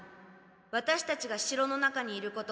ワタシたちが城の中にいること